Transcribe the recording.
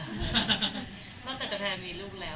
นอกจากจะแทนมีลูกแล้ว